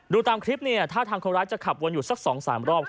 ตามคลิปเนี่ยท่าทางคนร้ายจะขับวนอยู่สัก๒๓รอบ